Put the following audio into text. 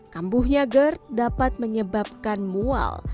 kambuhnya gerd dapat menyebabkan mual